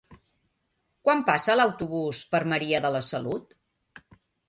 Quan passa l'autobús per Maria de la Salut?